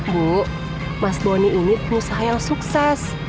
bu mas bonny ini penuh sayang sukses